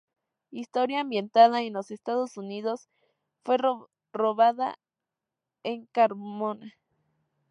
Historia ambientada en los Estados Unidos, fue rodada en Carmona.